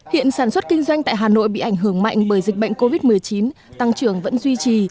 hiện sản xuất kinh doanh tại hà nội bị ảnh hưởng mạnh bởi dịch bệnh covid một mươi chín tăng trưởng vẫn duy trì